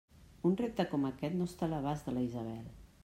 Un repte com aquest no està a l'abast de la Isabel!